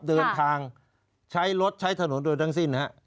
เดินทางใช้รถใช้ถนนโดยทั้งสิ้น